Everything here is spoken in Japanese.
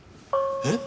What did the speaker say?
えっ？